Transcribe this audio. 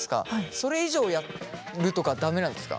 それ以上やるとか駄目なんですか？